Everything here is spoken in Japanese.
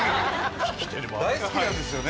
大好きなんですよね？